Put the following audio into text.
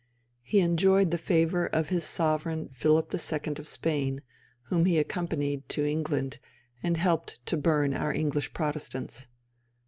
He enjoyed the favour of his sovereign Philip II. of Spain, whom he accompanied to England, and helped to burn our English Protestants.